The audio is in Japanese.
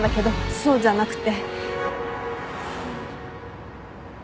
そうじゃなくて。